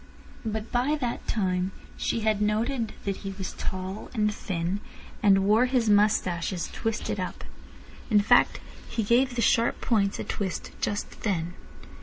But by that time she had noted that he was tall and thin, and wore his moustaches twisted up. In fact, he gave the sharp points a twist just then.